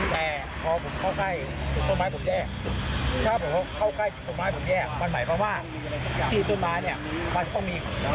แต่พอผมเข้าใกล้ถ้าผมเข้าใกล้ตรงนี้มันหมายความว่าที่ตรงนี้มันจะต้องมีวิญญาณ